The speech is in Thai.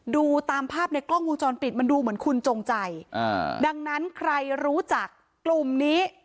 ดูตามภาพในกล้องวงจรปิดมันดูเหมือนคุณจงใจอ่าดังนั้นใครรู้จักกลุ่มนี้